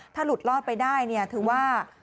ถ้าหลุดรอดไปได้ถือว่า